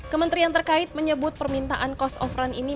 kementerian terkait menyebut permintaan cost of run ini